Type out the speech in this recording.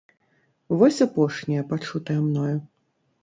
Вось апошняя, пачутая мною.